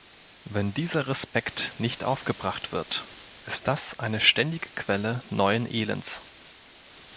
Wenn dieser Respekt nicht aufgebracht wird, ist das eine ständige Quelle neuen Elends.